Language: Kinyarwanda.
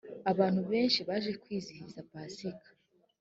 abantu benshi baje kwizihiza pasika.